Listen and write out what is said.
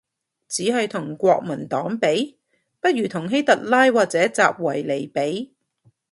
只係同國民黨比？，不如同希特拉或者習維尼比